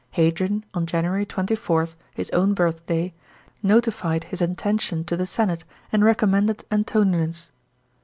Hadrian, on January 24th, his own birthday, notified his intention to the senate, and recommended Antoninus.